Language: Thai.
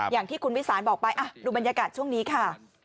อย่างที่คุณวิสานบอกไปดูบรรยากาศช่วงนี้ค่ะ